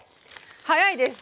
早いです。